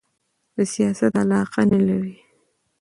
د سیاست علاقه نه لري